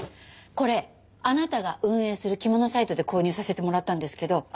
これあなたが運営する着物サイトで購入させてもらったんですけど。